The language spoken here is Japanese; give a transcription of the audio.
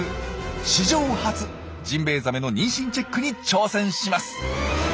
史上初ジンベエザメの妊娠チェックに挑戦します！